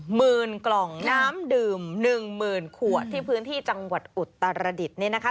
หมื่นกล่องน้ำดื่มหนึ่งหมื่นขวดที่พื้นที่จังหวัดอุตรดิษฐ์เนี่ยนะคะ